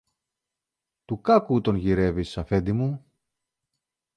του κάκου τον γυρεύεις, Αφέντη μου!